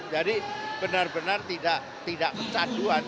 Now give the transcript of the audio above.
jadi benar benar tidak kecaduan